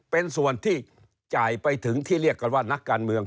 เป็นส่วนที่จ่ายไปถึงที่เรียกกันว่านักการเมือง